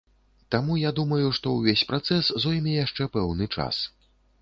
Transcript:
Таму я думаю, што ўвесь працэс зойме яшчэ пэўны час.